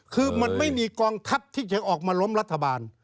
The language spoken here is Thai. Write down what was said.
คือมันไม่มีกองทัพที่จะออกมาล้มรัฐบาล